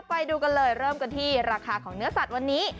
ไปดูกันเลยเริ่มกันที่ราคาของเนื้อสัตว์วันนี้